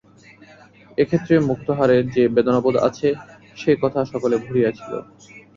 এ ক্ষেত্রে মুক্তাহারের যে বেদনাবোধ আছে, সে কথা সকলে ভুলিয়াছিল।